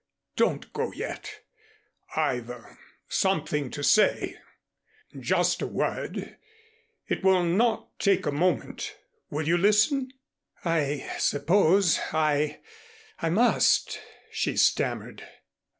"Don't go yet. I've something to say just a word it will not take a moment. Will you listen?" "I suppose I I must," she stammered.